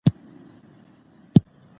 افتخارات به عادلانه وېشل کېدله.